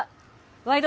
「ワイド！